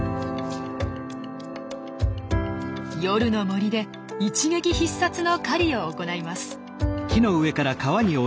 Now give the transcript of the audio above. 夜の森で一撃必殺の狩りを行います。